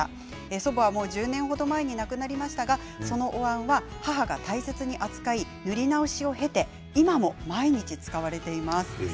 祖母はもう１０年程前に亡くなりましたが、そのおわんは母が大切に扱い塗り直しを経て今も毎日使われています。